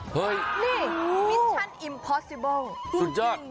นี้มันมีวิชมพิสิบลมากกว้างก็อายุทธิปล่าร้ายตรงข้าง